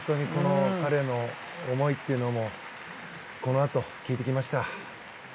彼の思いというのをこのあと聞いてきました。